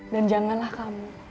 dan janganlah kamu